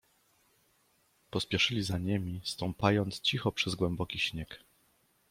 "Pospieszyli za niemi, stąpając cicho przez głęboki śnieg."